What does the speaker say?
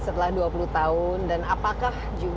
setelah dua puluh tahun dan apakah